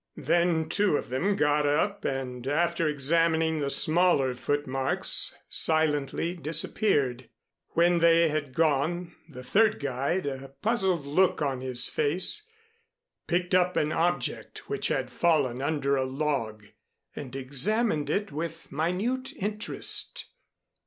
Then two of them got up and after examining the smaller foot marks silently disappeared. When they had gone the third guide, a puzzled look on his face, picked up an object which had fallen under a log and examined it with minute interest.